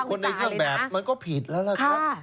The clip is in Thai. ไม่เป็นคนในเครื่องแบบมันก็ผิดแล้วแหละครับ